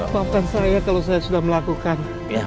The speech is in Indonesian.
papan saya kalau saya sudah melakukan